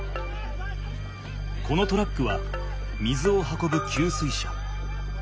このトラックは水を運ぶ給水車。